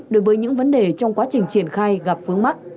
đối với những vấn đề trong quá trình triển khai gặp vướng mắt